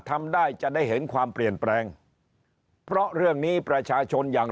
ทำได้จะได้เห็นความเปลี่ยนแปลงเพราะเรื่องนี้ประชาชนอย่าง